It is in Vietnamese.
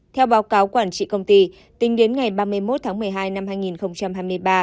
theo báo cáo quản trị công ty tính đến ngày ba mươi một tháng một mươi hai năm hai nghìn hai mươi ba